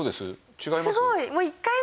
違います？